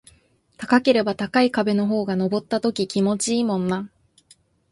高ければ高い壁の方が登った時気持ちいいもんな